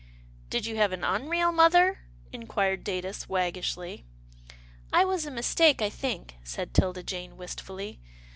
"Did you have an unreal mother?" inquired Datus, waggishly. " I was a mistake, I think," said 'Tilda Jane wistfully.